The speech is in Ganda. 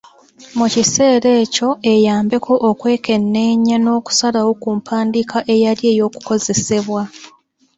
Mu kiseera ekyo eyambeko okwekenneenya n’okusalawo ku mpandiika eyali ey’okukozesebwa.